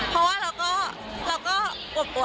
เพราะว่าเราก็เราก็ปวบปวบแบบนี้แหละค่ะ